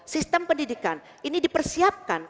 sistem pendidikan ini dipersiapkan